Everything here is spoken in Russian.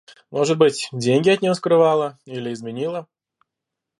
Может быть, деньги от него скрывала или изменила